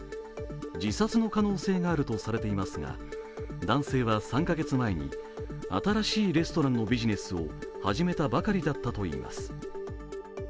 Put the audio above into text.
自殺の可能性があるとされていますが、男性は３カ月前に新しいレストランのビジネスを始めたばかりだったといいます。